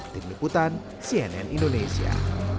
tim liputan cnn indonesia